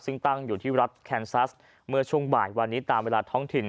ซึ่งตั้งอยู่ที่รัฐแคนซัสเมื่อช่วงบ่ายวันนี้ตามเวลาท้องถิ่น